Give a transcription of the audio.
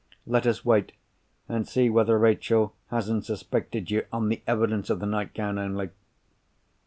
Let us wait and see whether Rachel hasn't suspected you on the evidence of the nightgown only."